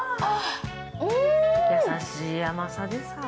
優しい甘さですね。